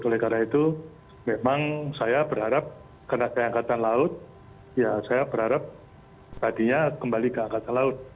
oleh karena itu memang saya berharap karena saya angkatan laut ya saya berharap tadinya kembali ke angkatan laut